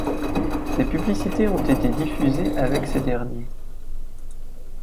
Des publicités ont été diffusées avec ces derniers.